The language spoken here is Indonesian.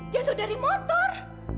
jatuh dari motor